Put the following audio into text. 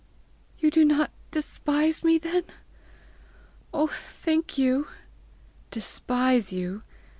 "You do not despise me, then? Oh, thank you!" "Despise you!